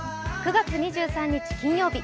９月２３日金曜日。